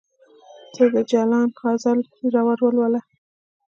ته د جلان غزل ژور ولوله